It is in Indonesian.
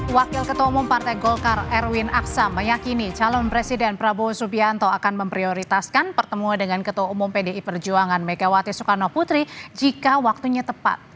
wakil ketua umum partai golkar erwin aksa meyakini calon presiden prabowo subianto akan memprioritaskan pertemuan dengan ketua umum pdi perjuangan megawati soekarno putri jika waktunya tepat